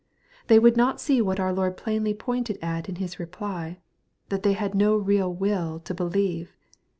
They would not see what our Lord plainly pointed at in His reply, that they had no real will to beheve.